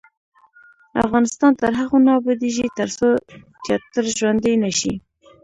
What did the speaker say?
افغانستان تر هغو نه ابادیږي، ترڅو تیاتر ژوندی نشي.